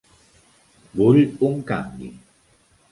Vull un canvi.